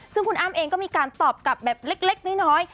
ซึ่งคุณอ้ำเองก็มีการตอบกลับแบบเล็กน้อย